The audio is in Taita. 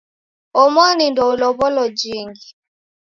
Omoni ndeulow'olo jingi.